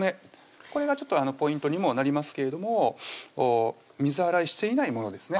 これがポイントにもなりますけれども水洗いしていないものですね